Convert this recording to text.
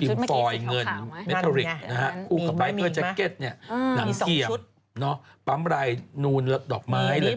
พริมฟอยด์เงินเมตตริกนะฮะคู่กับไลน์เพื่อแจ็คเก็ตเนี่ยหนังเกียมเนี่ยปั๊มไลน์นูนดอกไม้เลย